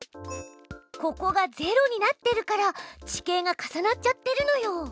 ここが０になってるから地形が重なっちゃってるのよ。